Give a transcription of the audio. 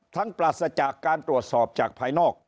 ปราศจากการตรวจสอบจากภายนอก